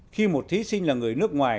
khi một thí sinh là người nước ngoài